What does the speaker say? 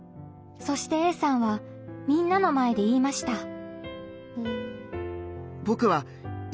そしてＡさんはみんなの前で言いました。